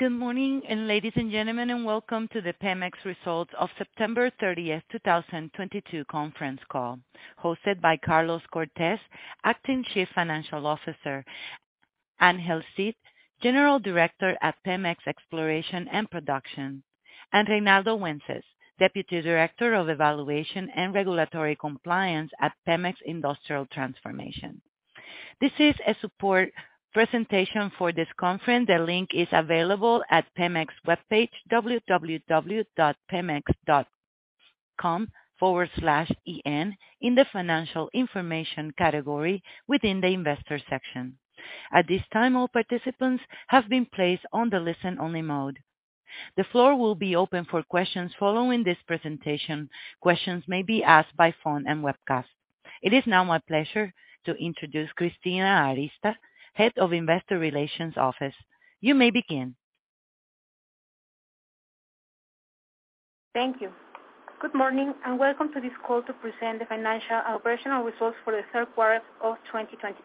Good morning, ladies and gentlemen, welcome to the Pemex results of September thirtieth, two thousand twenty-two conference call, hosted by Carlos Cortez, Acting Chief Financial Officer, Ángel Cid, General Director at Pemex Exploration and Production, and Reinaldo Wences, Deputy Director of Evaluation and Regulatory Compliance at Pemex Industrial Transformation. This is a support presentation for this conference. The link is available at Pemex webpage www.pemex.com/en in the Financial Information category within the Investor section. At this time, all participants have been placed on the listen-only mode. The floor will be open for questions following this presentation. Questions may be asked by phone and webcast. It is now my pleasure to introduce Cristina Arista, Head of Investor Relations Office. You may begin. Thank you. Good morning, and welcome to this call to present the financial operational results for the third quarter of 2022.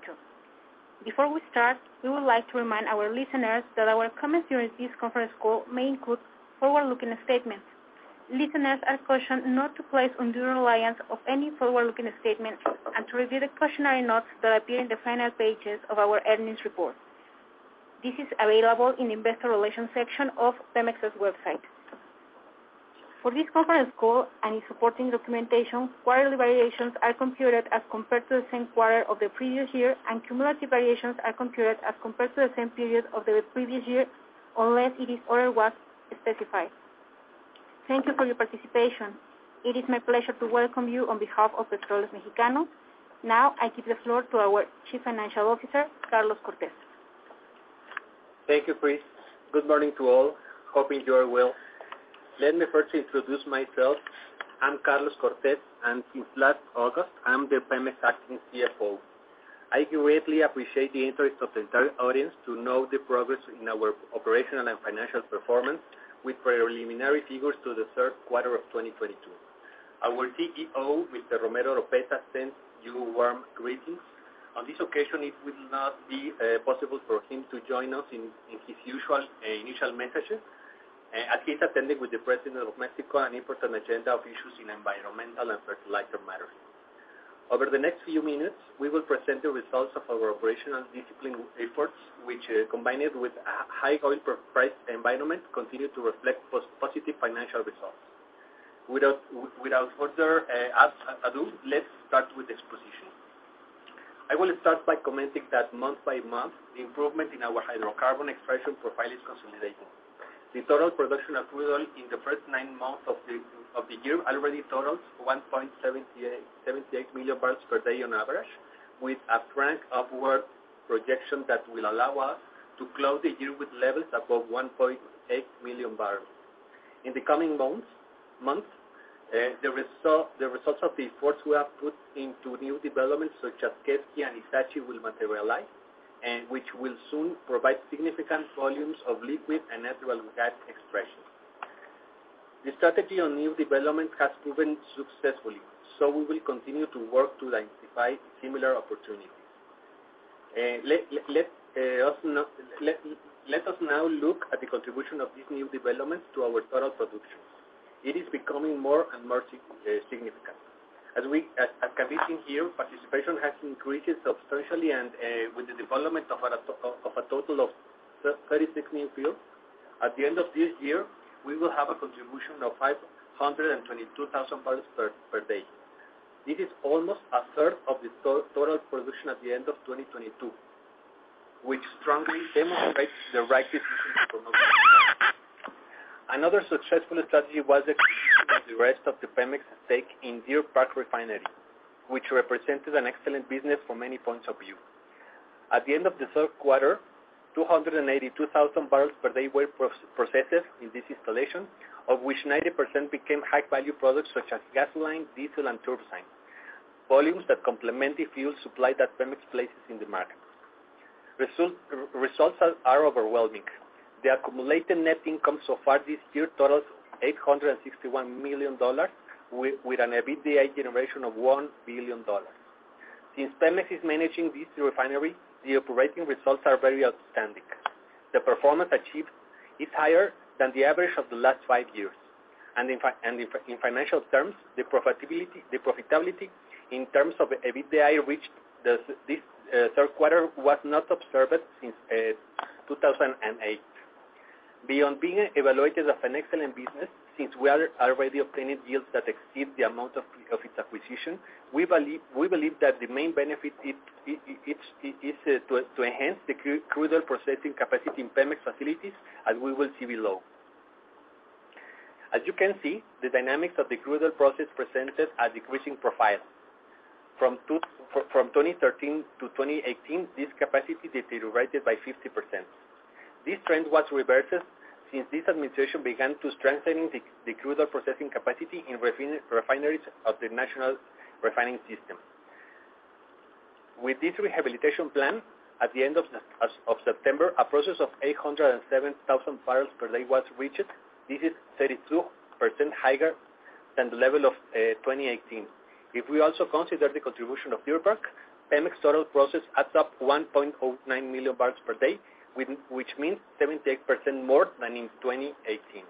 Before we start, we would like to remind our listeners that our comments during this conference call may include forward-looking statements. Listeners are cautioned not to place undue reliance on any forward-looking statements and to review the cautionary notes that appear in the final pages of our earnings report. This is available in Investor Relations section of Pemex's website. For this conference call and supporting documentation, quarterly variations are computed as compared to the same quarter of the previous year, and cumulative variations are computed as compared to the same period of the previous year, unless it is otherwise specified. Thank you for your participation. It is my pleasure to welcome you on behalf of Petróleos Mexicanos. Now, I give the floor to our Chief Financial Officer, Carlos Cortez. Thank you, Chris. Good morning to all, hoping you are well. Let me first introduce myself. I'm Carlos Cortez, and since last August, I'm the Pemex acting CFO. I greatly appreciate the interest of the entire audience to know the progress in our operational and financial performance with preliminary figures to the third quarter of 2022. Our CEO, Mr. Romero Oropeza, sends you warm greetings. On this occasion, it will not be possible for him to join us in his usual initial message, as he's attending with the President of Mexico an important agenda of issues in environmental and fertilizer matters. Over the next few minutes, we will present the results of our operational discipline efforts, which combined with a high oil price environment, continue to reflect positive financial results. Without further ado, let's start with exposition. I will start by commenting that month by month, the improvement in our hydrocarbon production profile is consolidating. The total production of crude oil in the first nine months of the year already totals 1.78 million barrels per day on average, with a trend upward projection that will allow us to close the year with levels above 1.8 million barrels. In the coming months, the results of the efforts we have put into new developments such as Quesqui and Ixachi will materialize, and which will soon provide significant volumes of liquid and natural gas production. The strategy on new development has proven successfully. We will continue to work to identify similar opportunities. Let us now look at the contribution of these new developments to our total production. It is becoming more and more significant. As can be seen here, participation has increased substantially and with the development of a total of 36 new fields. At the end of this year, we will have a contribution of 522,000 barrels per day. This is almost a third of the total production at the end of 2022, which strongly demonstrates the right decision to promote this. Another successful strategy was the acquisition of the rest of the Pemex stake in Deer Park Refinery, which represented an excellent business from many points of view. At the end of the third quarter, 282,000 barrels per day were processed in this installation, of which 90% became high-value products such as gasoline, diesel, and turbosina. Volumes that complement the fuel supply that Pemex places in the market. Results are overwhelming. The accumulated net income so far this year totals MXN 861 million with an EBITDA generation of MXN 1 billion. Since Pemex is managing this refinery, the operating results are very outstanding. The performance achieved is higher than the average of the last five years, and in financial terms, the profitability in terms of EBITDA reached this third quarter was not observed since 2008. Beyond being evaluated as an excellent business, since we are already obtaining yields that exceed the amount of its acquisition, we believe that the main benefit is to enhance the crude oil processing capacity in Pemex facilities, as we will see below. As you can see, the dynamics of the crude oil process presented are decreasing profile. From 2013-2018, this capacity deteriorated by 50%. This trend was reversed since this administration began strengthening the crude oil processing capacity in refineries of the national refining system. With this rehabilitation plan, as of September, a process of 807,000 barrels per day was reached. This is 32% higher than the level of 2018. If we also consider the contribution of Deer Park, Pemex total process adds up 1.09 million barrels per day, which means 78% more than in 2018.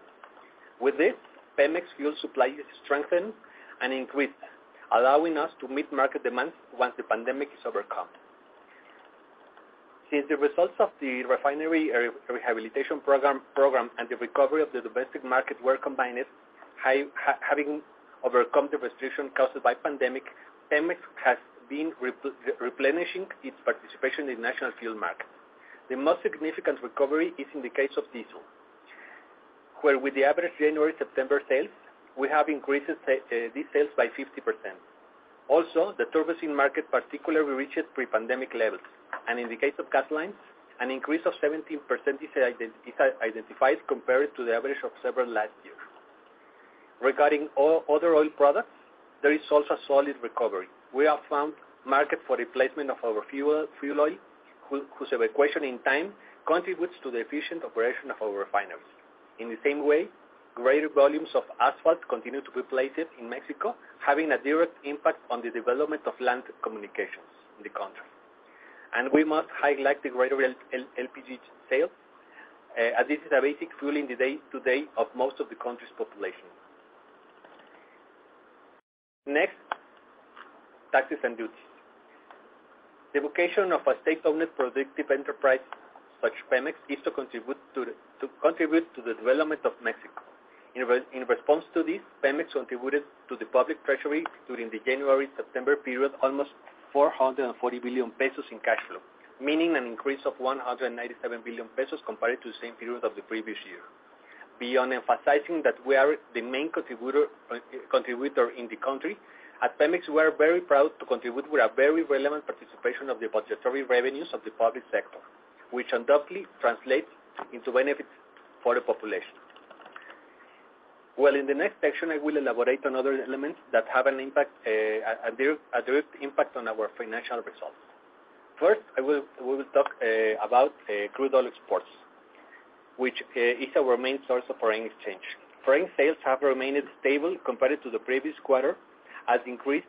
With this, Pemex fuel supply is strengthened and increased, allowing us to meet market demands once the pandemic is overcome. Since the results of the refinery rehabilitation program and the recovery of the domestic market were combined, having overcome the restriction caused by pandemic, Pemex has been replenishing its participation in national fuel markets. The most significant recovery is in the case of diesel, where with the average January to September sales, we have increased these sales by 50%. Also, the turbosina market particularly reaches pre-pandemic levels, and in the case of gasoline, an increase of 17% is identified compared to the average of several last year. Regarding other oil products, there is also solid recovery. We have found market for replacement of our fuel oil, whose evacuation in time contributes to the efficient operation of our refineries. In the same way, greater volumes of asphalt continue to be placed in Mexico, having a direct impact on the development of land communications in the country. We must highlight the greater LPG sales, as this is a basic fuel in the day-to-day of most of the country's population. Next, taxes and duties. The vocation of a state-owned productive enterprise such as Pemex is to contribute to the development of Mexico. In response to this, Pemex contributed to the public treasury during the January to September period, almost 440 billion pesos in cash flow, meaning an increase of 197 billion pesos compared to the same period of the previous year. Beyond emphasizing that we are the main contributor in the country, at Pemex we are very proud to contribute with a very relevant participation of the budgetary revenues of the public sector, which undoubtedly translates into benefits for the population. Well, in the next section, I will elaborate on other elements that have an impact, a direct impact on our financial results. First, we will talk about crude oil exports, which is our main source of foreign exchange. Foreign sales have remained stable compared to the previous quarter, as increased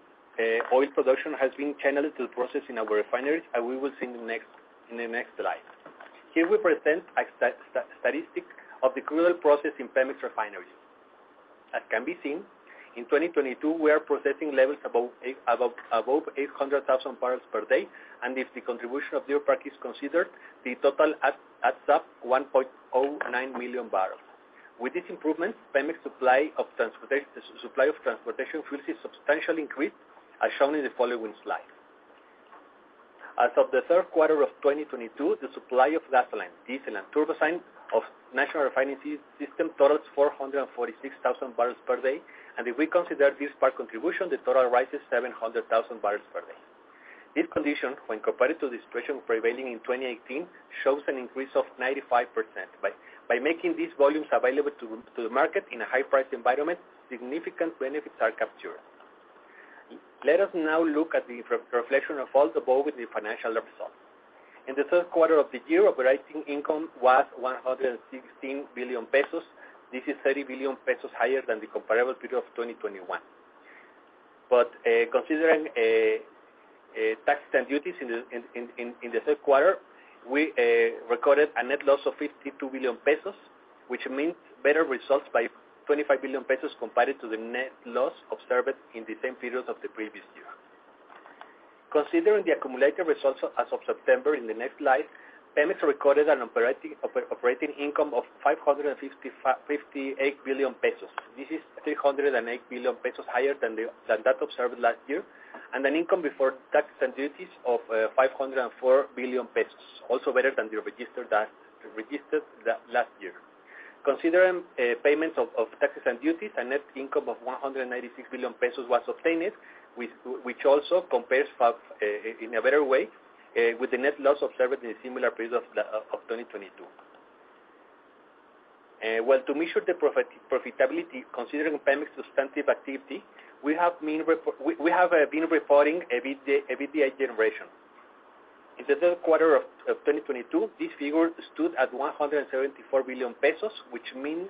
oil production has been channeled to the process in our refineries, as we will see in the next slide. Here we present a statistic of the crude oil process in Pemex refineries. As can be seen, in 2022, we are processing levels above 800,000 barrels per day, and if the contribution of Deer Park is considered, the total adds up 1.09 million barrels. With this improvement, Pemex supply of transportation fuels is substantially increased, as shown in the following slide. As of the third quarter of 2022, the supply of gasoline, diesel and turbosina of national refining system totals 446,000 barrels per day. If we consider this part contribution, the total rises 700,000 barrels per day. This condition, when compared to the situation prevailing in 2018, shows an increase of 95%. By making these volumes available to the market in a high price environment, significant benefits are captured. Let us now look at the reflection of all the above with the financial results. In the third quarter of the year, operating income was 116 billion pesos. This is 30 billion pesos higher than the comparable period of 2021. Considering taxes and duties in the third quarter, we recorded a net loss of 52 billion pesos, which means better results by 25 billion pesos compared to the net loss observed in the same period of the previous year. Considering the accumulated results as of September in the next slide, Pemex recorded an operating income of 558 billion pesos. This is 308 billion pesos higher than that observed last year, and an income before taxes and duties of 504 billion pesos, also better than the registered last year. Considering payments of taxes and duties, a net income of 196 billion pesos was obtained, which also compares in a better way with the net loss observed in a similar period of 2022. To measure the profitability considering Pemex substantive activity, we have been reporting EBITDA generation. In the third quarter of 2022, this figure stood at 174 billion pesos, which means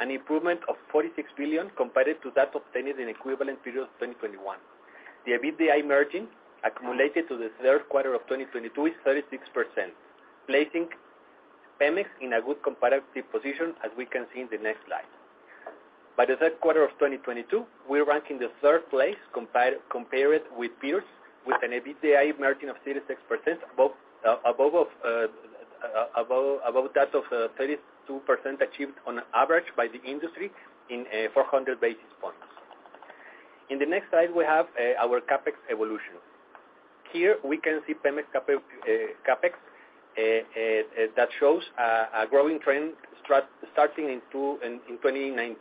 an improvement of 46 billion compared to that obtained in equivalent period of 2021. The EBITDA margin accumulated to the third quarter of 2022 is 36%, placing Pemex in a good comparative position as we can see in the next slide. By the third quarter of 2022, we rank in the third place compared with peers with an EBITDA margin of 36% above that of 32% achieved on average by the industry in 400 basis points. In the next slide, we have our CapEx evolution. Here we can see Pemex CapEx that shows a growing trend starting in 2019.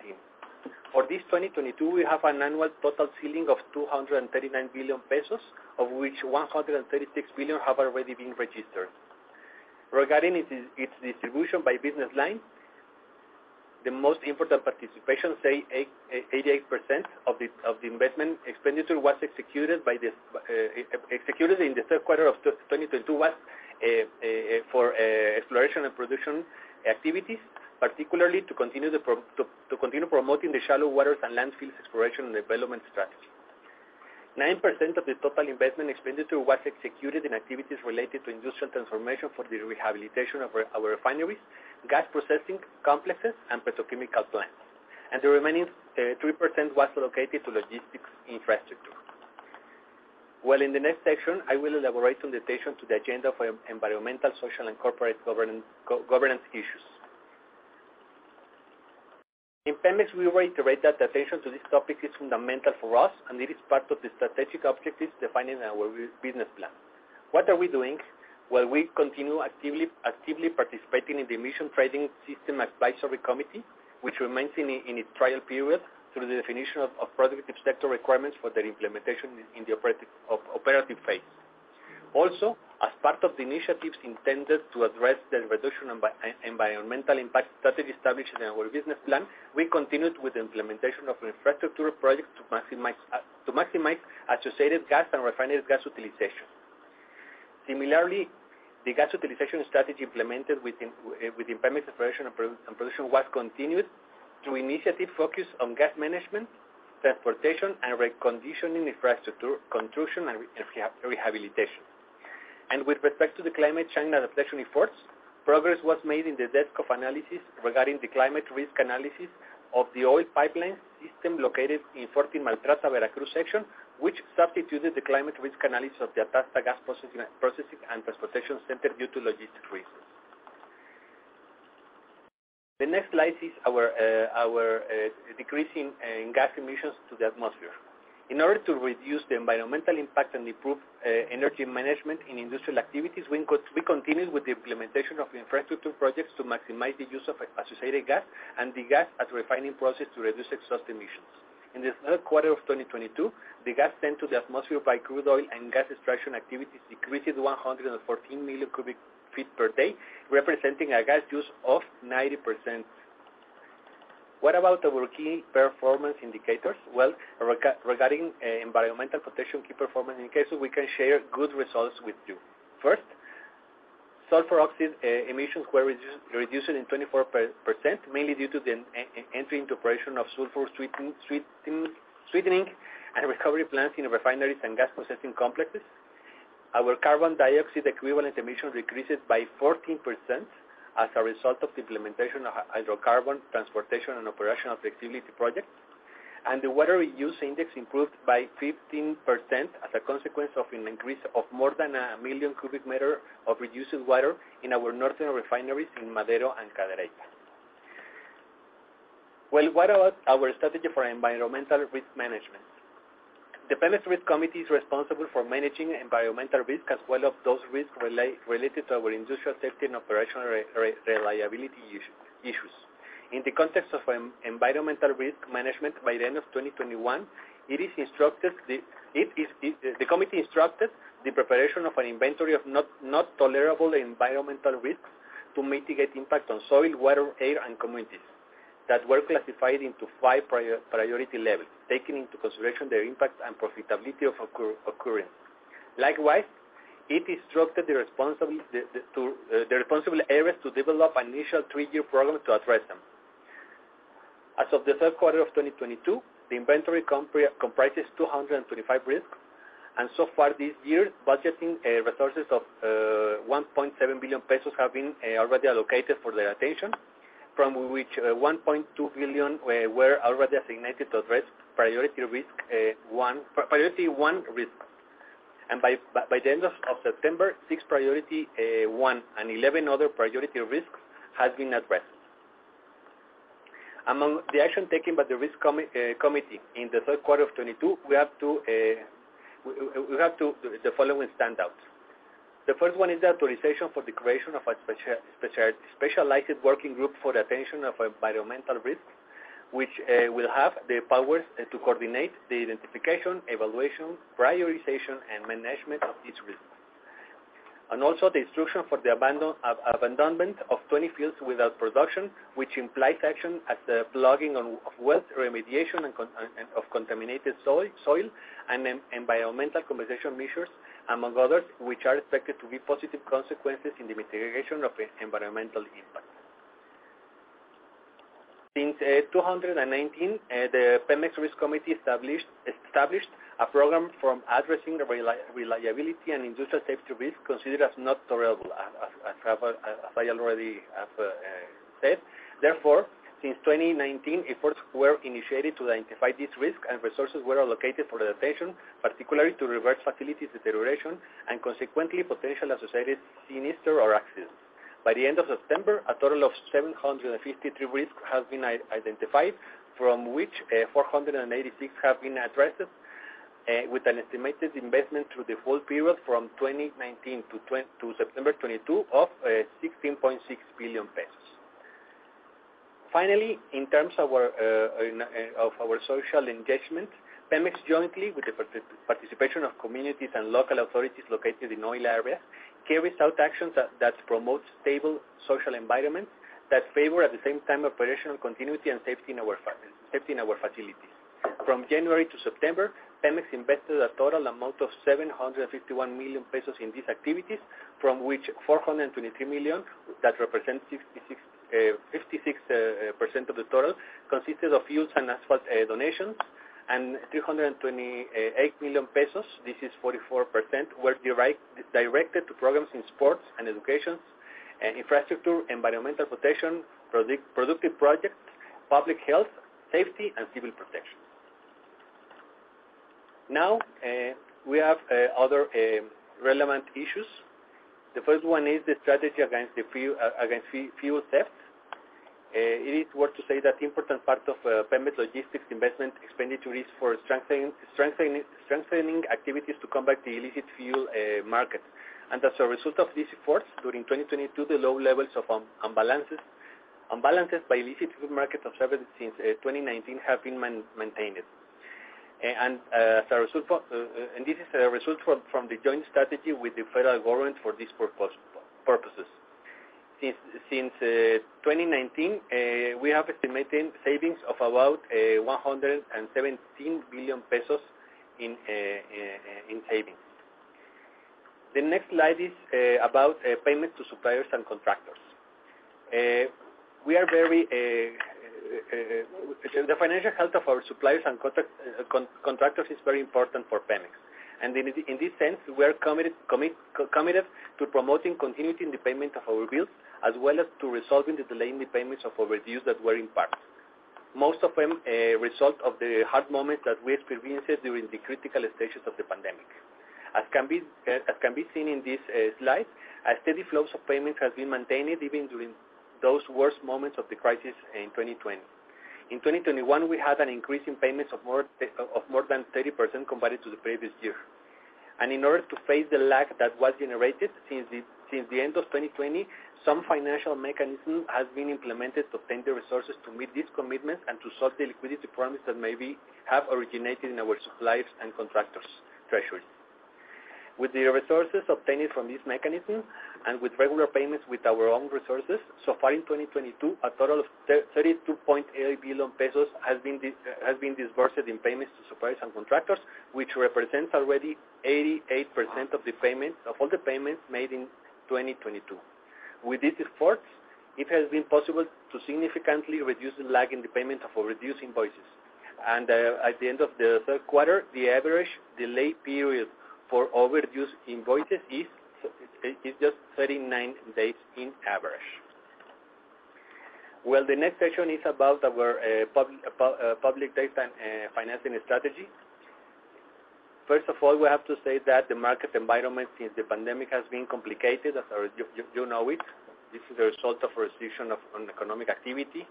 For this 2022, we have an annual total ceiling of 239 billion pesos, of which 136 billion have already been registered. Regarding its distribution by business line, the most important participation, 88% of the investment expenditure was executed in the third quarter of 2022 for exploration and production activities, particularly to continue promoting the shallow waters and land fields exploration and development strategy. 9% of the total investment expenditure was executed in activities related to industrial transformation for the rehabilitation of our refineries, gas processing complexes, and petrochemical plants. The remaining 3% was allocated to logistics infrastructure. Well, in the next section, I will elaborate on the attention to the agenda for environmental, social, and corporate governance issues. In Pemex, we reiterate that attention to this topic is fundamental for us, and it is part of the strategic objectives defined in our business plan. What are we doing? Well, we continue actively participating in the Consultative Committee of the Emissions Trading System, which remains in its trial period through the definition of productive sector requirements for their implementation in the operative phase. Also, as part of the initiatives intended to address the reduction and environmental impact strategy established in our business plan, we continued with the implementation of infrastructure projects to maximize associated gas and refinery gas utilization. Similarly, the gas utilization strategy implemented within Pemex Exploración y Producción was continued through initiatives focused on gas management, transportation, and reconditioning infrastructure construction and rehabilitation. With respect to the climate change adaptation efforts, progress was made in the desk of analysis regarding the climate risk analysis of the oil pipeline system located in Fortin-Maltrata-Veracruz section, which substituted the climate risk analysis of the Tasta gas processing and transportation center due to logistic reasons. The next slide is our decreasing gas emissions to the atmosphere. In order to reduce the environmental impact and improve energy management in industrial activities, we continued with the implementation of infrastructure projects to maximize the use of associated gas and the gas at refining process to reduce exhaust emissions. In the third quarter of 2022, the gas sent to the atmosphere by crude oil and gas extraction activities decreased 114 million cubic feet per day, representing a gas use of 90%. What about our key performance indicators? Well, regarding environmental protection key performance indicators, we can share good results with you. First, sulfur oxide emissions were reduced 24%, mainly due to the entry into operation of sulfur sweetening and recovery plants in refineries and gas processing complexes. Our carbon dioxide equivalent emissions decreased by 14% as a result of the implementation of hydrocarbon transportation and operational flexibility projects. The water reuse index improved by 15% as a consequence of an increase of more than 1 million cubic meters of reducing water in our northern refineries in Madero and Cadereyta. Well, what about our strategy for environmental risk management? The Pemex Risk Committee is responsible for managing environmental risk, as well as those risks related to our industrial safety and operational reliability issues. In the context of environmental risk management, by the end of 2021, the committee instructed the preparation of an inventory of intolerable environmental risks to mitigate impact on soil, water, air, and communities that were classified into five priority levels, taking into consideration their impact and probability of occurrence. Likewise, it instructed the responsible areas to develop an initial three-year program to address them. As of the third quarter of 2022, the inventory comprises 225 risks, and so far this year, budgeted resources of 1.7 billion pesos have been already allocated for their attention, from which 1.2 billion were already assigned to address priority one risk. By the end of September, six priority one and 11 other priority risks has been addressed. Among the action taken by the Pemex Risk Committee in the third quarter of 2022, we have two, the following standouts. The first one is the authorization for the creation of a specialized working group for the attention of environmental risks, which will have the powers to coordinate the identification, evaluation, prioritization, and management of each risk. Also the instruction for the abandonment of 20 fields without production, which implies action as the plugging of wells, remediation and of contaminated soil, and environmental compensation measures, among others, which are expected to give positive consequences in the mitigation of environmental impact. Since 2019, the Pemex Risk Committee established a program for addressing the reliability and industrial safety risk considered as not tolerable, as I already have said. Therefore, since 2019, efforts were initiated to identify these risks, and resources were allocated for adaptation, particularly to reverse facilities deterioration, and consequently potential associated sinister or accidents. By the end of September, a total of 753 risks have been identified, from which 486 have been addressed, with an estimated investment through the full period from 2019 to September 2022 of 16.6 billion pesos. Finally, in terms of our social engagement, Pemex jointly with the participation of communities and local authorities located in oil area, carries out actions that promote stable social environments that favor, at the same time, operational continuity and safety in our facilities. From January to September, Pemex invested a total amount of 751 million pesos in these activities, from which 423 million, that represents 56% of the total, consisted of fuels and asphalt donations, and 328 million pesos, this is 44%, were directed to programs in sports and education and infrastructure, environmental protection, productive projects, public health, safety, and civil protection. Now, we have other relevant issues. The first one is the strategy against fuel theft. It is worth to say that important part of Pemex logistics investment expenditure is for strengthening activities to combat the illicit fuel market. As a result of this effort, during 2022, the low levels of imbalances by illicit fuel market observed since 2019 have been maintained. This is a result from the joint strategy with the federal government for these purposes. Since 2019, we have estimated savings of about 117 billion pesos in savings. The next slide is about payments to suppliers and contractors. The financial health of our suppliers and contractors is very important for Pemex. In this sense, we are committed to promoting continuity in the payment of our bills, as well as to resolving the delay in the payments of our bills that were in part most of them a result of the hard moment that we experienced during the critical stages of the pandemic. As can be seen in this slide, a steady flow of payments has been maintained even during those worst moments of the crisis in 2020. In 2021, we had an increase in payments of more than 30% compared to the previous year. In order to face the lag that was generated since the end of 2020, some financial mechanism has been implemented to obtain the resources to meet this commitment and to solve the liquidity problems that may have originated in our suppliers' and contractors' treasury. With the resources obtained from this mechanism, and with regular payments with our own resources, so far in 2022, a total of 32.8 billion pesos has been disbursed in payments to suppliers and contractors, which represents already 88% of the payment, of all the payments made in 2022. With these efforts, it has been possible to significantly reduce the lag in the payment of our reduced invoices. At the end of the third quarter, the average delay period for overdue invoices is just 39 days on average. Well, the next section is about our public debt and financing strategy. First of all, we have to say that the market environment since the pandemic has been complicated, as you know it. This is a result of restrictions on economic activity,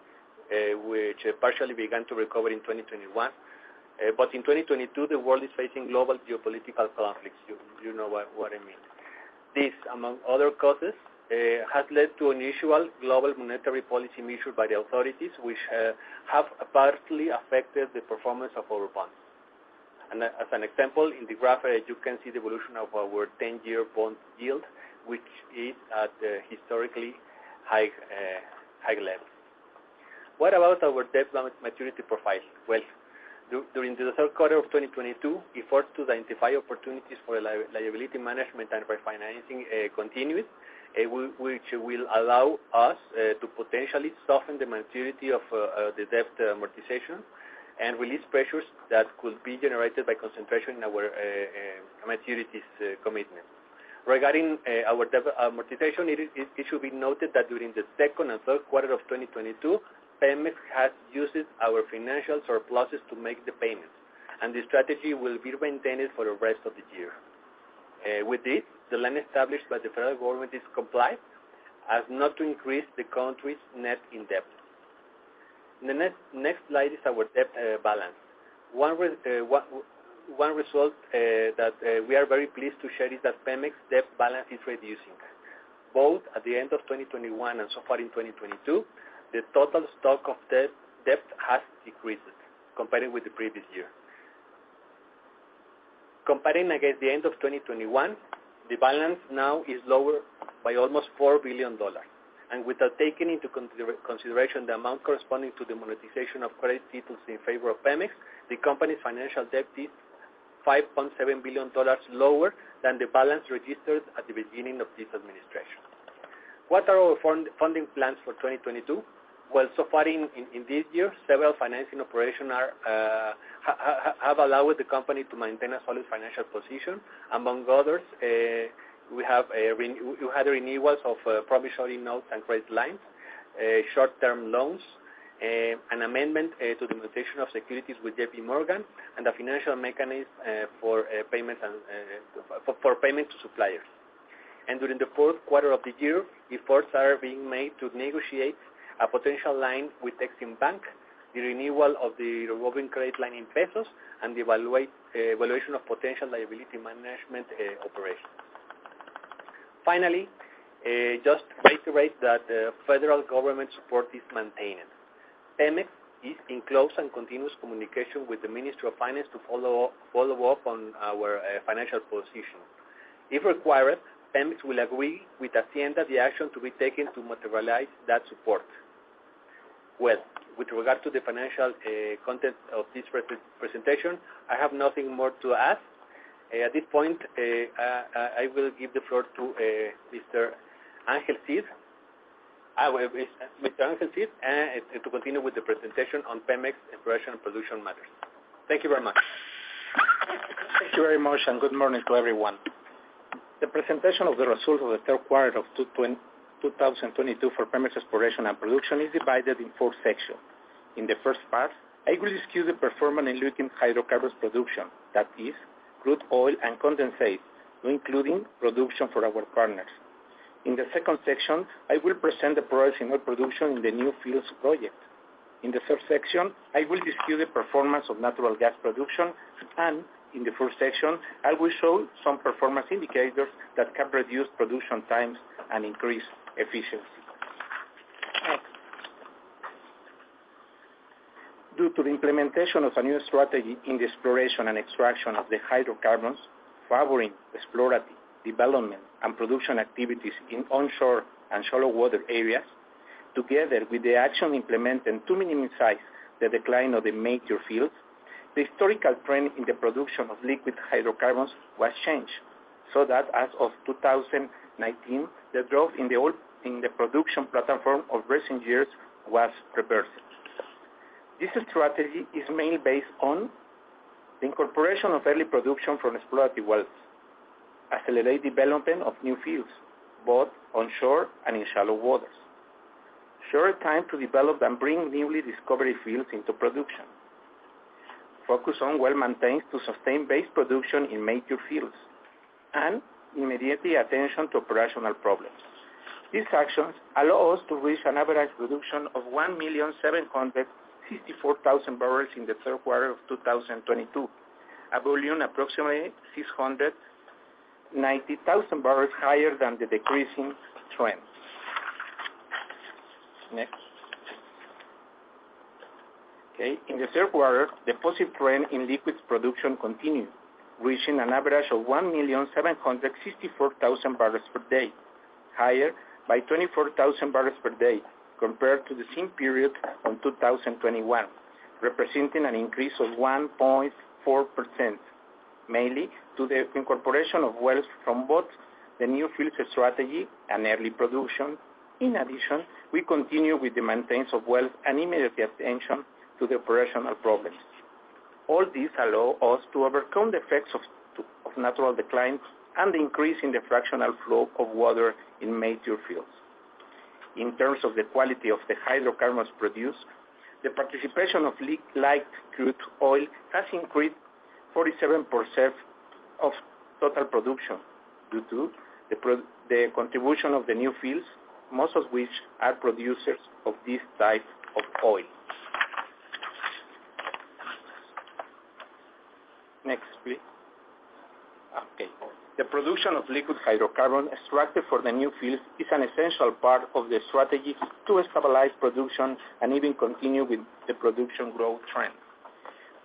which partially began to recover in 2021. In 2022, the world is facing global geopolitical conflicts. You know what I mean. This, among other causes, has led to unusual global monetary policy measures by the authorities, which have adversely affected the performance of our bonds. As an example, in the graph, you can see the evolution of our ten-year bond yield, which is at a historically high level. What about our debt maturity profile? Well, during the third quarter of 2022, efforts to identify opportunities for liability management and refinancing continued, which will allow us to potentially soften the maturity of the debt amortization and release pressures that could be generated by concentration in our maturities commitment. Regarding our debt amortization, it should be noted that during the second and third quarter of 2022, Pemex has used our financial surpluses to make the payments, and the strategy will be maintained for the rest of the year. With this, the limit established by the federal government is complied with, as not to increase the country's net indebtedness. The next slide is our debt balance. One result that we are very pleased to share is that Pemex's debt balance is reducing. Both at the end of 2021 and so far in 2022, the total stock of debt has decreased comparing with the previous year. Comparing against the end of 2021, the balance now is lower by almost MXN 4 billion. Without taking into consideration the amount corresponding to the monetization of credit titles in favor of Pemex, the company's financial debt is MXN 5.7 billion lower than the balance registered at the beginning of this administration. What are our funding plans for 2022? Well, so far in this year, several financing operations have allowed the company to maintain a solid financial position. Among others, we had renewals of promissory notes and credit lines, short-term loans, an amendment to the monetization of securities with JPMorgan, and a financial mechanism for payment and for payment to suppliers. During the fourth quarter of the year, efforts are being made to negotiate a potential line with Exim Bank, the renewal of the revolving credit line in pesos, and evaluation of potential liability management operations. Finally, just to reiterate that federal government support is maintained. Pemex is in close and continuous communication with the Ministry of Finance to follow up on our financial position. If required, Pemex will agree with Hacienda the action to be taken to materialize that support. Well, with regard to the financial content of this presentation, I have nothing more to add. At this point, I will give the floor to Mr. Ángel Cid to continue with the presentation on Pemex Exploration & Production matters. Thank you very much. Thank you very much, and good morning to everyone. The presentation of the results of the third quarter of 2022 for Pemex Exploración y Producción is divided in four sections. In the first part, I will discuss the performance in liquid hydrocarbons production, that is crude oil and condensate, including production for our partners. In the second section, I will present the progress in oil production in the new fields project. In the third section, I will discuss the performance of natural gas production, and in the fourth section, I will show some performance indicators that can reduce production times and increase efficiency. Next. Due to the implementation of a new strategy in the exploration and extraction of the hydrocarbons, favoring exploratory development and production activities in onshore and shallow water areas, together with the action implemented to minimize the decline of the major fields, the historical trend in the production of liquid hydrocarbons was changed. That as of 2019, the drop in the oil production platform of recent years was reversed. This strategy is mainly based on the incorporation of early production from exploratory wells, accelerated development of new fields, both onshore and in shallow waters, shorter time to develop and bring newly discovered fields into production, focus on well maintenance to sustain base production in major fields, and immediate attention to operational problems. These actions allow us to reach an average production of 1,764,000 barrels in the third quarter of 2022, a volume approximately 690,000 barrels higher than the decreasing trend. Next. Okay. In the third quarter, the positive trend in liquids production continued, reaching an average of 1,764,000 barrels per day, higher by 24,000 barrels per day compared to the same period in 2021. Representing an increase of 1.4%, mainly to the incorporation of wells from both the new fields strategy and early production. In addition, we continue with the maintenance of wells and immediate attention to the operational problems. All this allow us to overcome the effects of natural declines and increase in the fractional flow of water in major fields. In terms of the quality of the hydrocarbons produced, the participation of light crude oil has increased 47% of total production due to the contribution of the new fields, most of which are producers of this type of oil. Next, please. Okay. The production of liquid hydrocarbon extracted for the new fields is an essential part of the strategy to stabilize production and even continue with the production growth trend.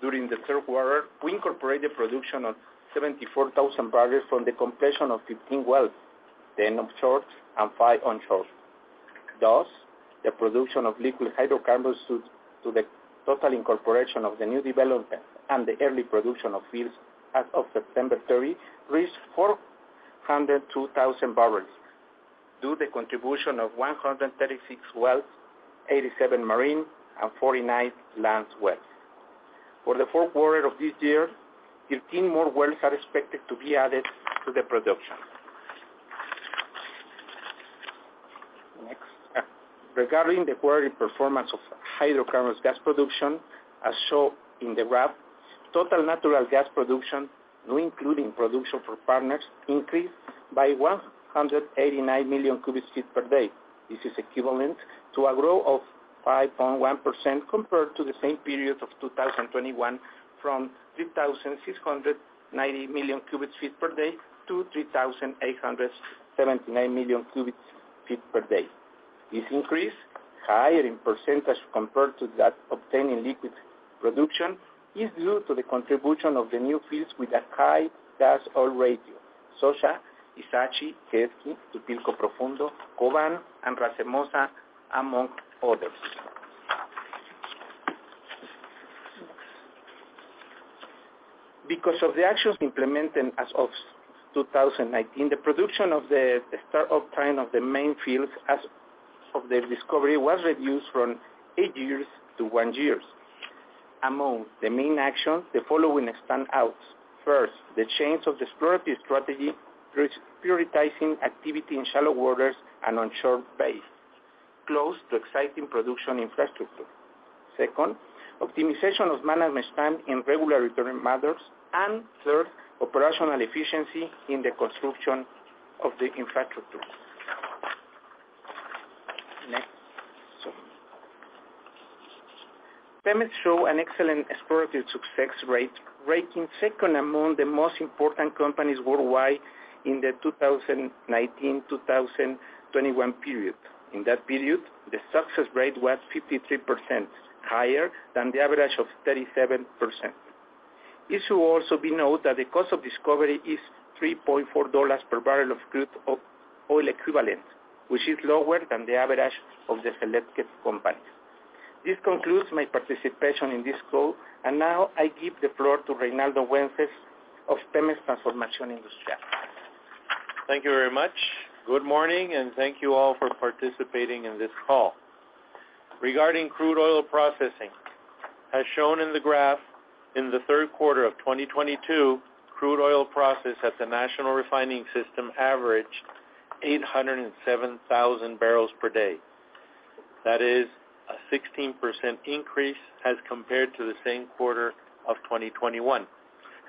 During the third quarter, we incorporated production of 74,000 barrels from the completion of 15 wells, 10 offshore and 5 onshore. Thus, the production of liquid hydrocarbons due to the total incorporation of the new development and the early production of fields as of September 30 reached 402,000 barrels due to the contribution of 136 wells, 87 marine, and 49 land wells. For the fourth quarter of this year, 15 more wells are expected to be added to the production. Next. Regarding the quarterly performance of hydrocarbons gas production, as shown in the graph, total natural gas production, not including production for partners, increased by 189 million cubic feet per day. This is equivalent to a growth of 5.1% compared to the same period of 2021 from 3,690 million cubic feet per day to 3,879 million cubic feet per day. This increase, higher in percentage compared to that obtained in liquid production, is due to the contribution of the new fields with a high gas-oil ratio: Xochitl, Ixachi, Kejtli, Tupilco Profundo, Koban, and Racemosa, among others. Because of the actions implemented as of 2019, the production of the start-up time of the main fields as of the discovery was reduced from eight years to one year. Among the main actions, the following stand out. First, the change of the exploratory strategy through prioritizing activity in shallow waters and onshore base close to existing production infrastructure. Second, optimization of management time in regulatory matters. Third, operational efficiency in the construction of the infrastructure. Next. Pemex shows an excellent exploratory success rate, ranking second among the most important companies worldwide in the 2019-2021 period. In that period, the success rate was 53% higher than the average of 37%. It should also be noted that the cost of discovery is MXN 3.4 per barrel of crude oil equivalent, which is lower than the average of the selected companies. This concludes my participation in this call. Now I give the floor to Reinaldo Wences of Pemex Transformación Industrial. Thank you very much. Good morning, and thank you all for participating in this call. Regarding crude oil processing, as shown in the graph, in the third quarter of 2022, crude oil processed at the national refining system averaged 807,000 barrels per day. That is a 16% increase as compared to the same quarter of 2021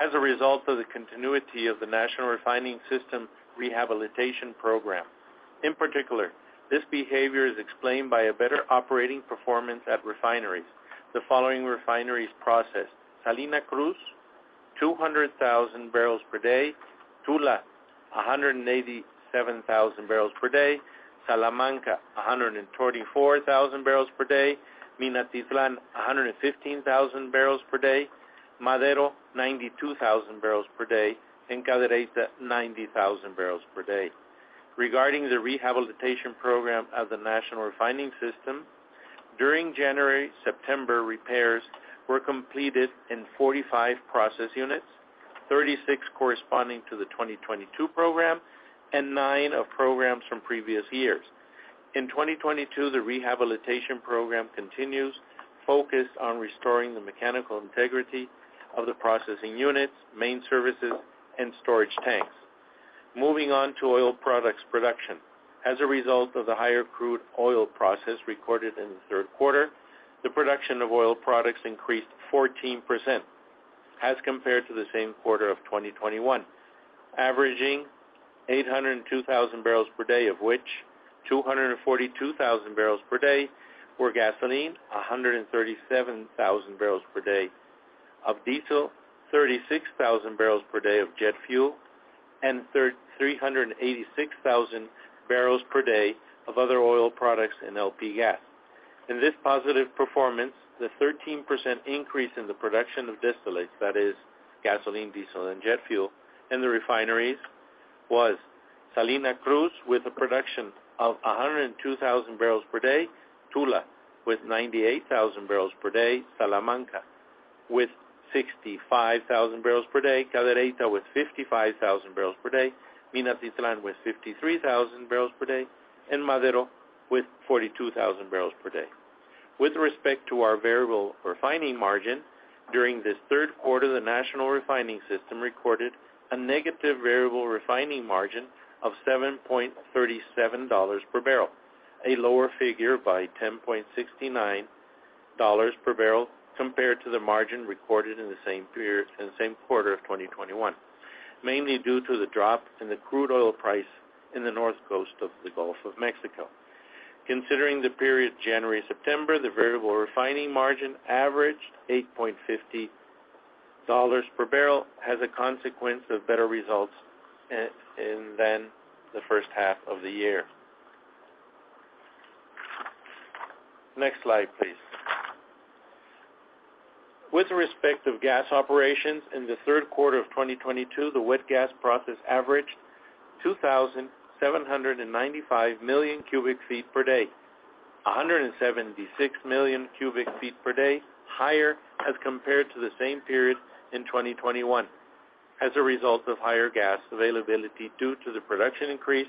as a result of the continuity of the national refining system rehabilitation program. In particular, this behavior is explained by a better operating performance at refineries. The following refineries processed. Salina Cruz, 200,000 barrels per day. Tula, 187,000 barrels per day. Salamanca, 124,000 barrels per day. Minatitlán, 115,000 barrels per day. Madero, 92,000 barrels per day. Cadereyta, 90,000 barrels per day. Regarding the rehabilitation program of the national refining system, during January to September, repairs were completed in 45 process units, 36 corresponding to the 2022 program and 9 of programs from previous years. In 2022, the rehabilitation program continues, focused on restoring the mechanical integrity of the processing units, main services, and storage tanks. Moving on to oil products production. As a result of the higher crude oil processing recorded in the third quarter, the production of oil products increased 14% as compared to the same quarter of 2021, averaging 802,000 barrels per day, of which 242,000 barrels per day were gasoline, 137,000 barrels per day of diesel, 36,000 barrels per day of jet fuel, and 386,000 barrels per day of other oil products in LP gas. In this positive performance, the 13% increase in the production of distillates, that is gasoline, diesel, and jet fuel in the refineries was Salina Cruz with a production of 102,000 barrels per day, Tula with 98,000 barrels per day, Salamanca with 65,000 barrels per day, Cadereyta with 55,000 barrels per day, Minatitlán with 53,000 barrels per day, and Madero with 42,000 barrels per day. With respect to our variable refining margin, during this third quarter, the national refining system recorded a negative variable refining margin of MXN 7.37 per barrel, a lower figure by MXN 10.69 per barrel compared to the margin recorded in the same quarter of 2021, mainly due to the drop in the crude oil price in the north coast of the Gulf of Mexico. Considering the period January to September, the variable refining margin averaged MXN 8.50 per barrel as a consequence of better results than the first half of the year. Next slide, please. With respect to gas operations, in the third quarter of 2022, the wet gas processing averaged 2,795 million cubic feet per day, 176 million cubic feet per day higher as compared to the same period in 2021 as a result of higher gas availability due to the production increase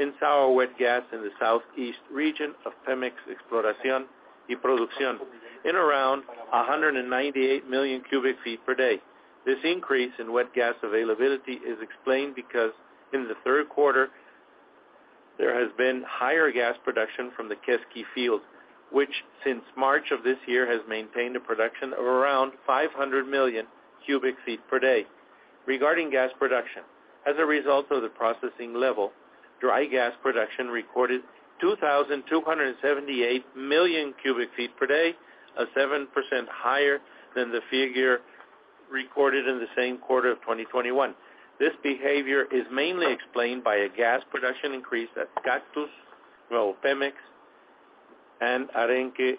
in sour wet gas in the southeast region of Pemex Exploración y Producción of around 198 million cubic feet per day. This increase in wet gas availability is explained because in the third quarter, there has been higher gas production from the Quesqui field, which since March of this year has maintained a production of around 500 million cubic feet per day. Regarding gas production, as a result of the processing level, dry gas production recorded 2,278 million cubic feet per day, 7% higher than the figure recorded in the same quarter of 2021. This behavior is mainly explained by a gas production increase at Cactus, Nuevo Pemex, and Arenque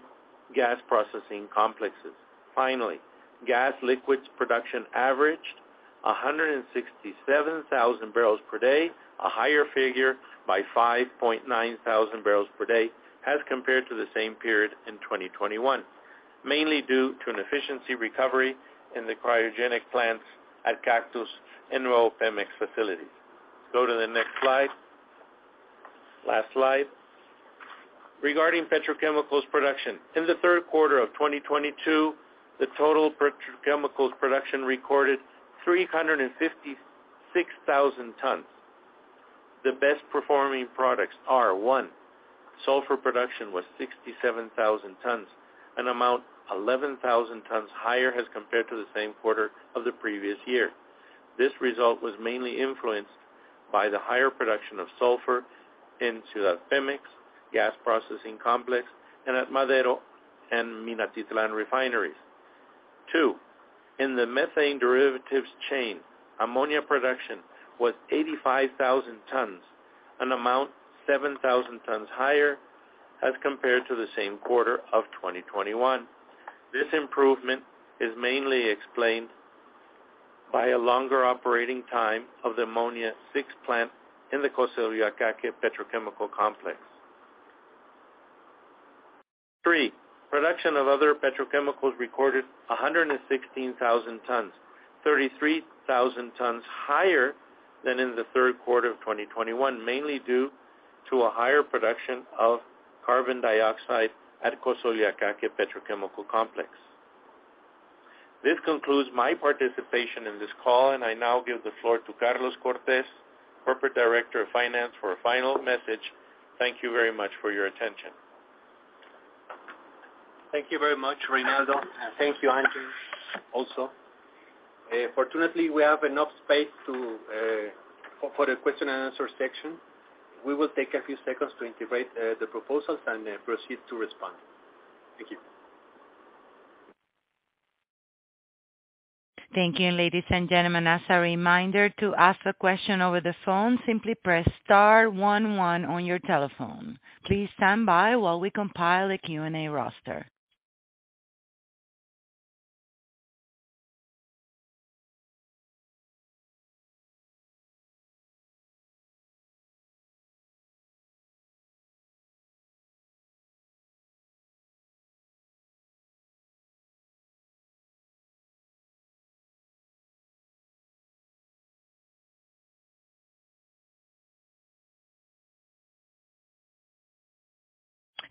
gas processing complexes. Finally, gas liquids production averaged 167,000 barrels per day, a higher figure by 5.9 thousand barrels per day as compared to the same period in 2021, mainly due to an efficiency recovery in the cryogenic plants at Cactus and Nuevo Pemex facilities. Go to the next slide. Last slide. Regarding petrochemicals production, in the third quarter of 2022, the total petrochemicals production recorded 356,000 tons. The best-performing products are, one, sulfur production was 67,000 tons, an amount 11,000 tons higher as compared to the same quarter of the previous year. This result was mainly influenced by the higher production of sulfur in Ciudad Pemex gas processing complex and at Madero and Minatitlán refineries. Two, in the methane derivatives chain, ammonia production was 85,000 tons, an amount 7,000 tons higher as compared to the same quarter of 2021. This improvement is mainly explained by a longer operating time of the Ammonia VI plant in the Cosoleacaque Petrochemical Complex. Production of other petrochemicals recorded 116,000 tons, 33,000 tons higher than in the third quarter of 2021, mainly due to a higher production of carbon dioxide at Cosoleacaque Petrochemical Complex. This concludes my participation in this call, and I now give the floor to Carlos Cortez, Corporate Director of Finance, for a final message. Thank you very much for your attention. Thank you very much, Reinaldo. Thank you, Ángel, also. Fortunately, we have enough space for the question-and-answer section. We will take a few seconds to integrate the proposals and then proceed to respond. Thank you. Thank you, ladies and gentlemen. As a reminder, to ask a question over the phone, simply press star one one on your telephone.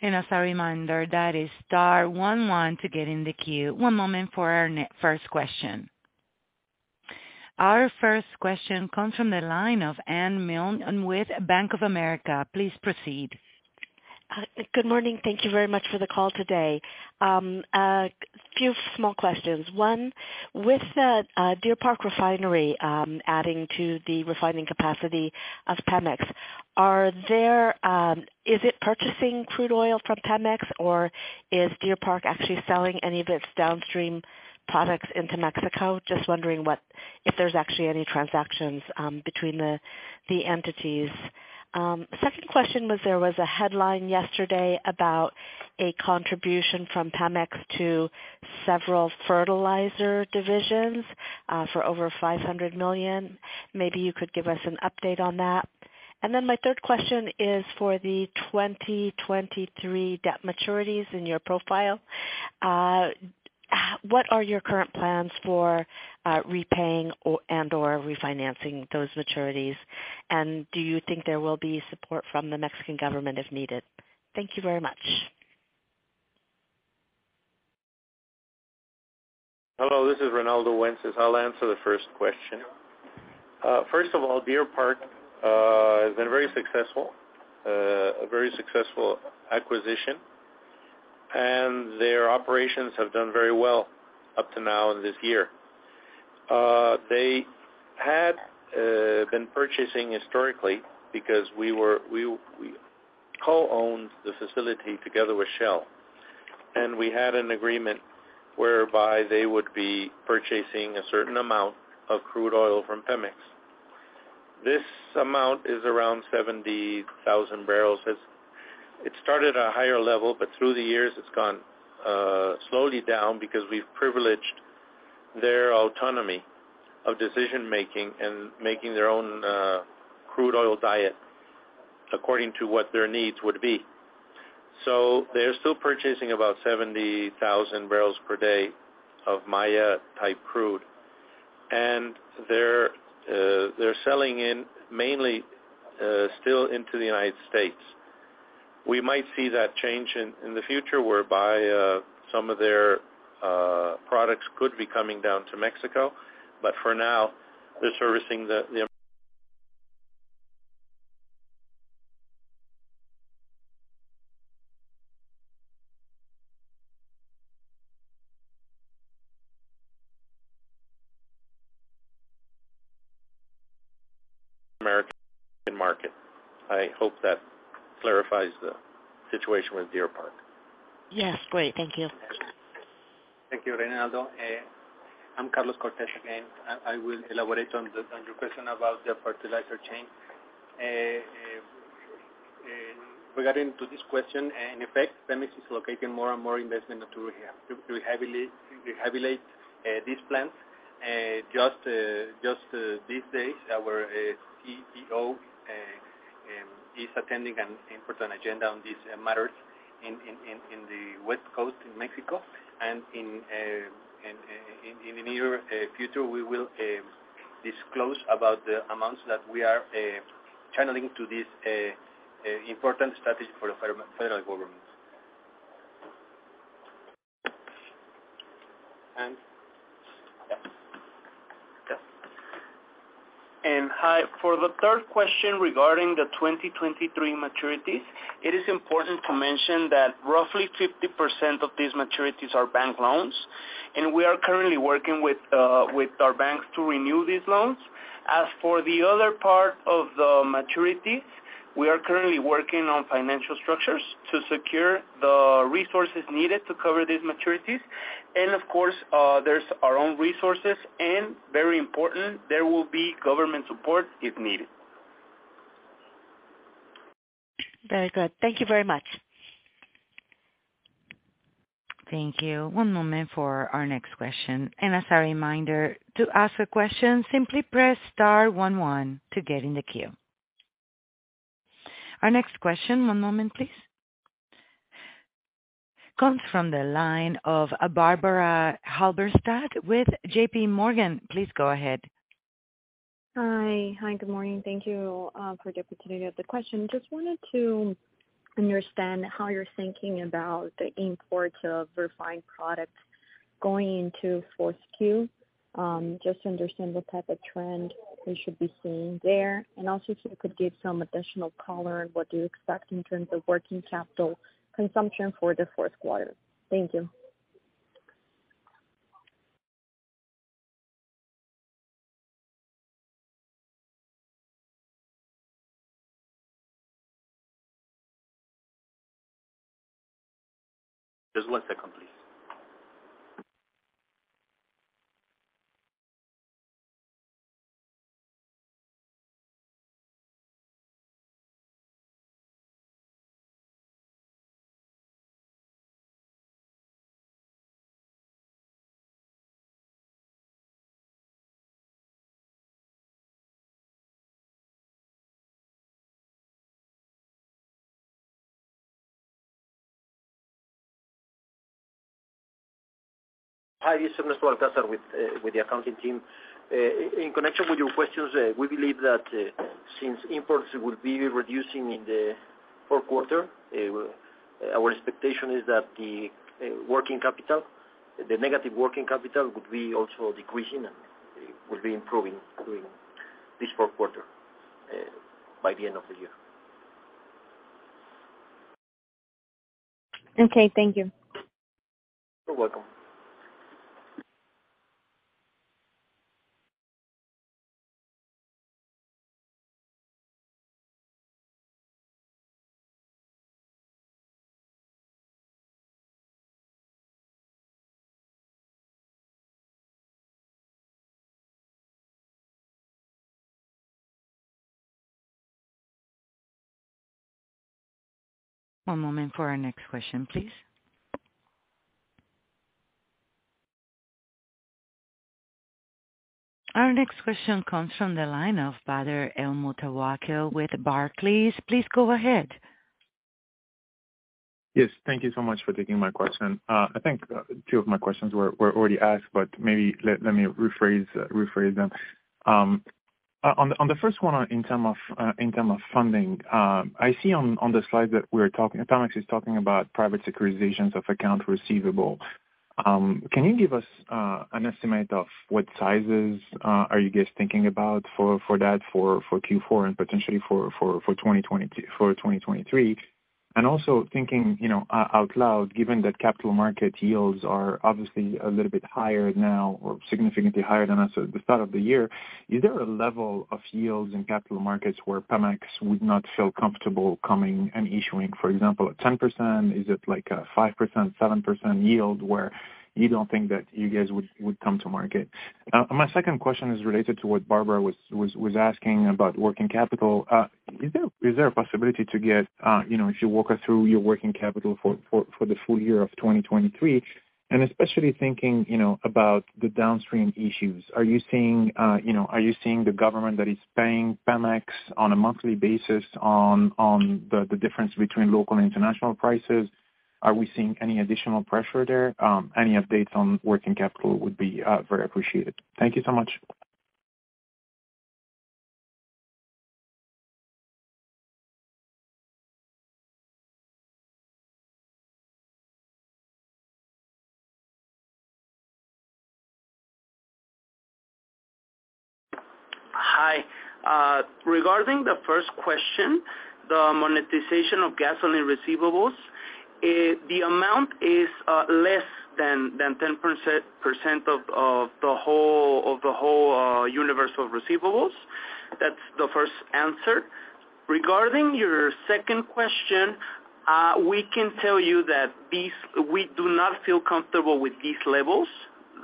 Please stand by while we compile a Q&A roster. As a reminder, that is star one one to get in the queue. One moment for our first question. Our first question comes from the line of Anne Milne with Bank of America. Please proceed. Good morning. Thank you very much for the call today. A few small questions. One, with the Deer Park Refinery, adding to the refining capacity of Pemex, is it purchasing crude oil from Pemex, or is Deer Park actually selling any of its downstream products into Mexico? Just wondering what if there's actually any transactions between the entities. Second question, there was a headline yesterday about a contribution from Pemex to several fertilizer divisions for over 500 million. Maybe you could give us an update on that. Then my third question is for the 2023 debt maturities in your profile. What are your current plans for repaying or and/or refinancing those maturities? Do you think there will be support from the Mexican government if needed? Thank you very much. Hello, this is Reinaldo Wences. I'll answer the first question. First of all, Deer Park has been very successful, a very successful acquisition, and their operations have done very well up to now in this year. They had been purchasing historically because we co-own the facility together with Shell, and we had an agreement whereby they would be purchasing a certain amount of crude oil from Pemex. This amount is around 70,000 barrels. It started at a higher level, but through the years it's gone slowly down because we've privileged their autonomy of decision-making and making their own crude oil diet according to what their needs would be. They're still purchasing about 70,000 barrels per day of Maya type crude, and they're selling mainly still into the United States. We might see that change in the future whereby some of their products could be coming down to Mexico. For now, they're servicing the American market. I hope that clarifies the situation with Deer Park. Yes. Great. Thank you. Thank you, Reinaldo. I'm Carlos Cortez, and I will elaborate on your question about the fertilizer chain. Regarding this question, in effect, Pemex is allocating more and more investment to rehabilitate these plants. Just these days, our CEO is attending an important agenda on these matters in the west coast of Mexico. In the near future, we will disclose about the amounts that we are channeling to this important strategy for the federal government. For the third question regarding the 2023 maturities, it is important to mention that roughly 50% of these maturities are bank loans, and we are currently working with our banks to renew these loans. As for the other part of the maturities. We are currently working on financial structures to secure the resources needed to cover these maturities. Of course, there's our own resources and, very important, there will be government support if needed. Very good. Thank you very much. Thank you. One moment for our next question. As a reminder, to ask a question, simply press star one one to get in the queue. Our next question, one moment please. Comes from the line of Barbara Halberstadt with JPMorgan. Please go ahead. Hi. Good morning. Thank you for the opportunity of the question. Just wanted to understand how you're thinking about the imports of refined products going into fourth Q. Just to understand what type of trend we should be seeing there. Also, if you could give some additional color on what you expect in terms of working capital consumption for the fourth quarter. Thank you. Just one second, please. Hi, this is Ernesto Balcázar with the accounting team. In connection with your questions, we believe that, since imports will be reducing in the fourth quarter, our expectation is that the working capital, the negative working capital would be also decreasing and would be improving during this fourth quarter, by the end of the year. Okay, thank you. You're welcome. One moment for our next question, please. Our next question comes from the line of Badr El Moutawakil with Barclays. Please go ahead. Yes. Thank you so much for taking my question. I think two of my questions were already asked, but maybe let me rephrase them. On the first one, in terms of funding, I see on the slide that Pemex is talking about private securitizations of accounts receivable. Can you give us an estimate of what sizes are you guys thinking about for that for Q4 and potentially for 2023? Also thinking, you know, out loud, given that capital market yields are obviously a little bit higher now or significantly higher than at the start of the year, is there a level of yields in capital markets where Pemex would not feel comfortable coming and issuing, for example, at 10%? Is it like a 5%, 7% yield where you don't think that you guys would come to market? My second question is related to what Barbara was asking about working capital. Is there a possibility to get, you know, if you walk us through your working capital for the full year of 2023, and especially thinking, you know, about the downstream issues. Are you seeing the government that is paying Pemex on a monthly basis on the difference between local and international prices? Are we seeing any additional pressure there? Any updates on working capital would be very appreciated. Thank you so much. Hi. Regarding the first question, the monetization of gasoline receivables, the amount is less than 10% of the whole universe of receivables. That's the first answer. Regarding your second question, we can tell you that we do not feel comfortable with these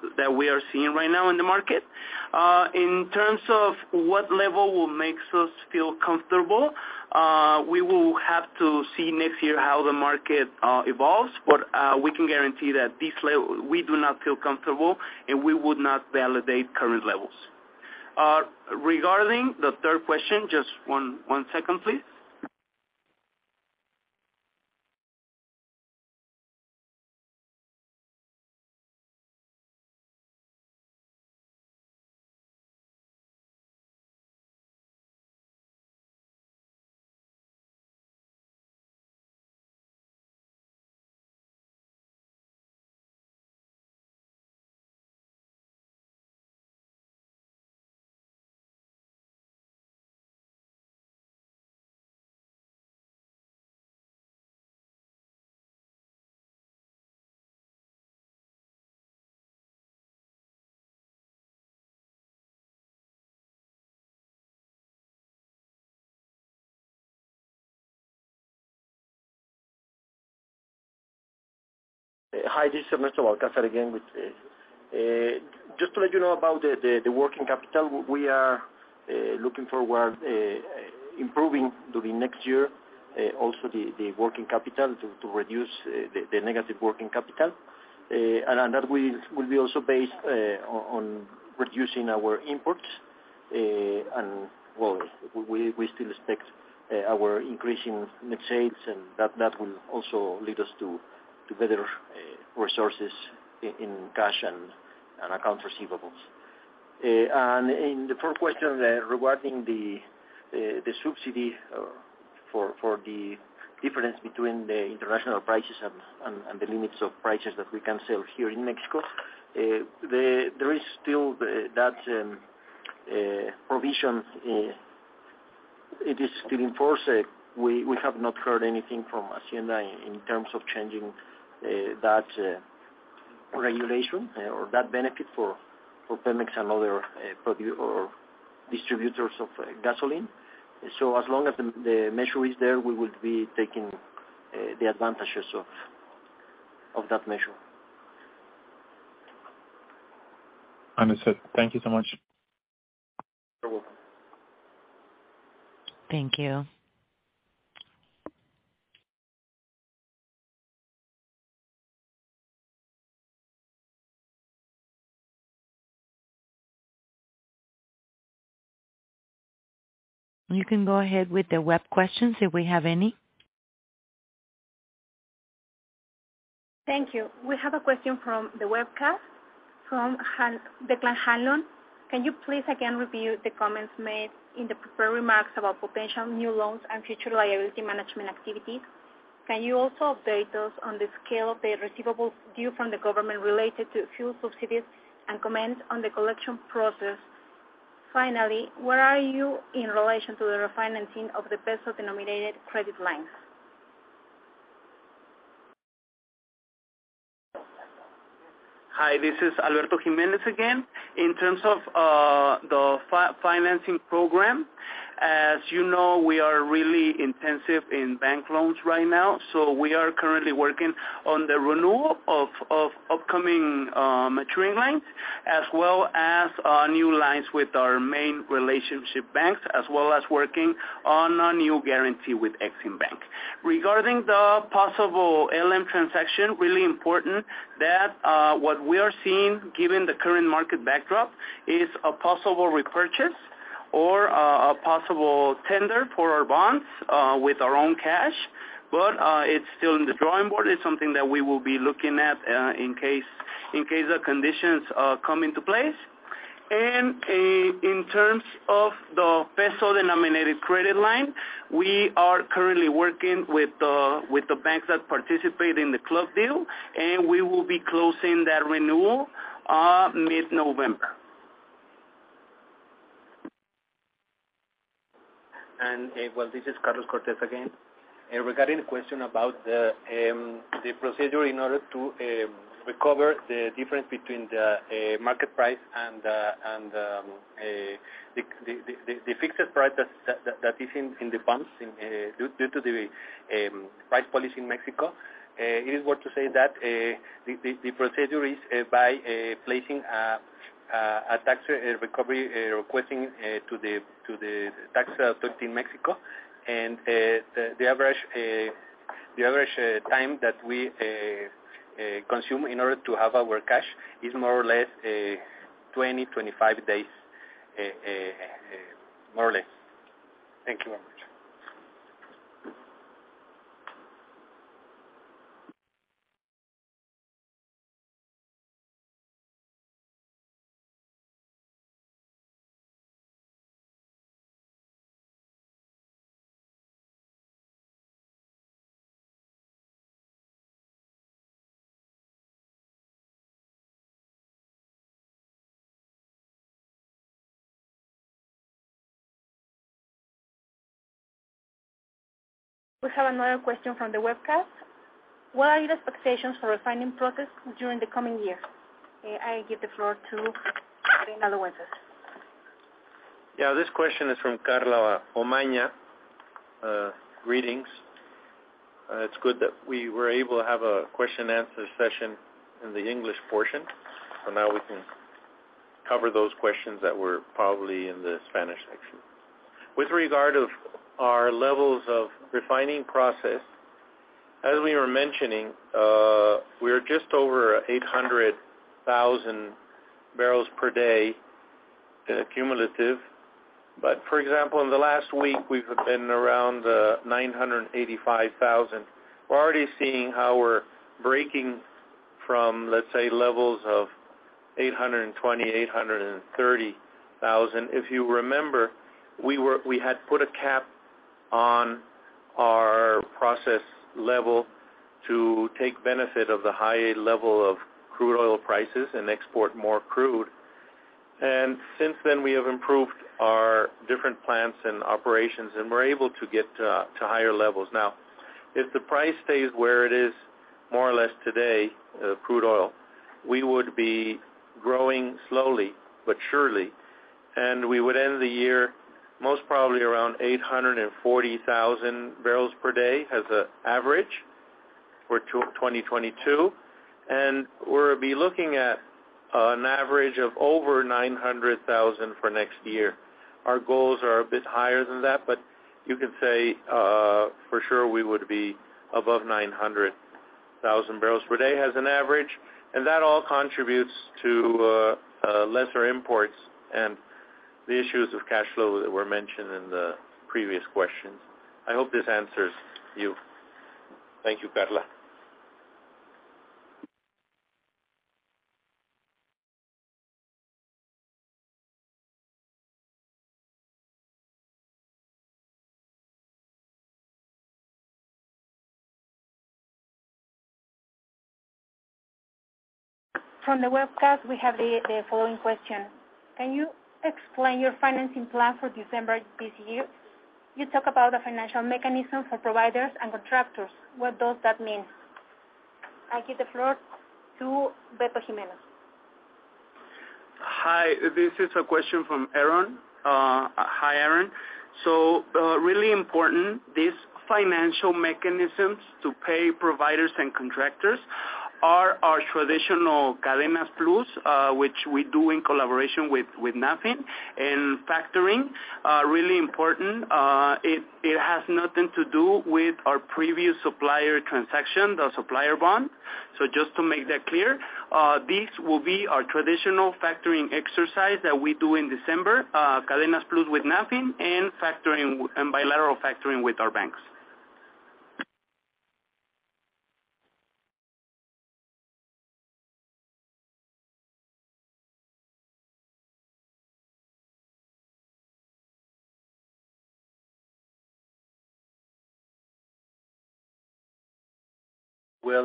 levels that we are seeing right now in the market. In terms of what level will makes us feel comfortable, we will have to see next year how the market evolves. We can guarantee you that this level, we do not feel comfortable, and we would not validate current levels. Regarding the third question, just one second, please. Hi, this is Ernesto Balcázar again with just to let you know about the working capital. We are looking forward improving during next year also the working capital to reduce the negative working capital. That will be also based on reducing our imports, and well, we still expect our increase in net sales and that will also lead us to better resources in cash and accounts receivables. In the third question regarding the subsidy for the difference between the international prices and the limits of prices that we can sell here in Mexico, there is still that provision. It is still in force. We have not heard anything from Hacienda in terms of changing that regulation or that benefit for Pemex and other distributors of gasoline. As long as the measure is there, we will be taking the advantages of that measure. Understood. Thank you so much. You're welcome. Thank you. You can go ahead with the web questions, if we have any. Thank you. We have a question from the webcast from Declan Hanlon. Can you please again review the comments made in the prepared remarks about potential new loans and future liability management activities? Can you also update us on the scale of the receivables due from the government related to fuel subsidies and comment on the collection process? Finally, where are you in relation to the refinancing of the peso-denominated credit lines? Hi, this is Alberto Jiménez again. In terms of the financing program, as you know, we are really intensive in bank loans right now, so we are currently working on the renewal of upcoming maturing lines, as well as new lines with our main relationship banks, as well as working on a new guarantee with Exim Bank. Regarding the possible LM transaction, really important that what we are seeing given the current market backdrop is a possible repurchase or a possible tender for our bonds with our own cash. It's still in the drawing board. It's something that we will be looking at in case the conditions come into place. In terms of the peso-denominated credit line, we are currently working with the banks that participate in the club deal, and we will be closing that renewal mid-November. Well, this is Carlos Cortez again. Regarding the question about the procedure in order to recover the difference between the market price and the fixed price that is in the pumps due to the price policy in Mexico, it is worth to say that the procedure is by placing a tax recovery requesting to the tax authority in Mexico. The average time that we consume in order to have our cash is more or less 20-25 days, more or less. Thank you very much. We have another question from the webcast. What are your expectations for refining process during the coming year? I give the floor to Reinaldo Wences. Yeah. This question is from Carla Omaña. Greetings. It's good that we were able to have a question-answer session in the English portion, so now we can cover those questions that were probably in the Spanish section. With regard to our levels of refining process, as we were mentioning, we're just over 800,000 barrels per day in a cumulative. For example, in the last week, we've been around 985,000. We're already seeing how we're breaking from, let's say, levels of 820, 830,000. If you remember, we had put a cap on our process level to take benefit of the high level of crude oil prices and export more crude. Since then, we have improved our Different plants and operations, and we're able to get to higher levels. Now, if the price stays where it is more or less today, crude oil, we would be growing slowly but surely, and we would end the year most probably around 840,000 barrels per day as a average for 2022. We'll be looking at an average of over 900,000 for next year. Our goals are a bit higher than that, but you can say, for sure we would be above 900,000 barrels per day as an average. That all contributes to lesser imports and the issues of cash flow that were mentioned in the previous questions. I hope this answers you. Thank you, Carla. From the webcast, we have the following question: Can you explain your financing plan for December this year? You talk about the financial mechanisms for providers and contractors. What does that mean? I give the floor to Beto Jiménez. Hi. This is a question from Aaron. Hi, Aaron. Really important, these financial mechanisms to pay providers and contractors are our traditional Cadenas Plus, which we do in collaboration with Nafin. Factoring are really important. It has nothing to do with our previous supplier transaction, the supplier bond. Just to make that clear, this will be our traditional factoring exercise that we do in December, Cadenas Plus with Nafin and factoring and bilateral factoring with our banks.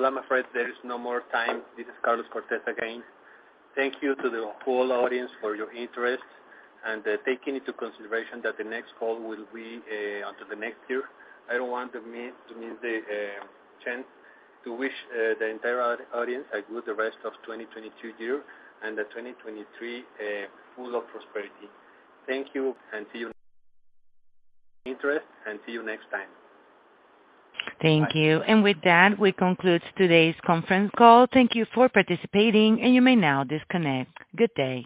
Well, I'm afraid there is no more time. This is Carlos Cortez again. Thank you to the whole audience for your interest, and taking into consideration that the next call will be until the next year. I don't want to miss the chance to wish the entire audience a good rest of the 2022 year and the 2023 full of prosperity. Thank you for your interest, and see you next time. Thank you. With that, we conclude today's conference call. Thank you for participating, and you may now disconnect. Good day.